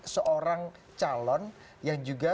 seorang calon yang juga